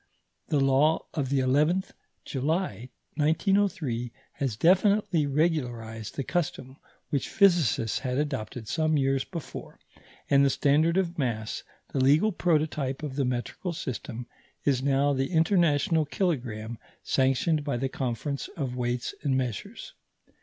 The law of the 11th July 1903 has definitely regularized the custom which physicists had adopted some years before; and the standard of mass, the legal prototype of the metrical system, is now the international kilogramme sanctioned by the Conference of Weights and Measures.